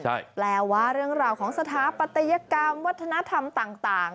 แปลว่าเรื่องราวของสถาปัตยกรรมวัฒนธรรมต่าง